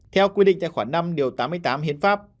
theo quy định tài khoản năm điều tám mươi tám hiến pháp